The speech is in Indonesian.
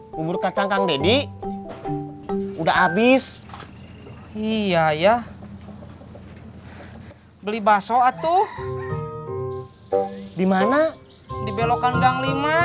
bubur kacang kang deddy udah habis iya ya beli baso atuh di mana di belok kandang lima